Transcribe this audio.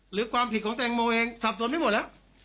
หรือความผิดของแตงโมเองสับสนไม่หมดแล้ว